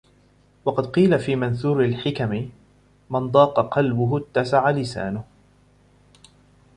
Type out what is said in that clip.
وَقَدْ قِيلَ فِي مَنْثُورِ الْحِكَمِ مَنْ ضَاقَ قَلْبُهُ اتَّسَعَ لِسَانُهُ